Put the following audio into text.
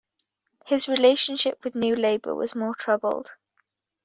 His relationship with New Labour was more troubled.